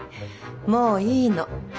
もういいの。